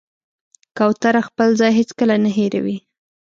کوتره خپل ځای هېڅکله نه هېروي.